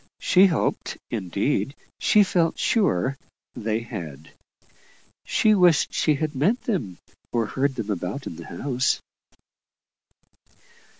She hoped indeed, she felt sure they had. She wished she had met them, or heard them about in the house.